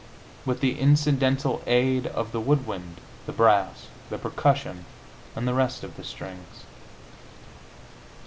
with the incidental aid of the wood wind, the brass, the percussion and the rest of the strings.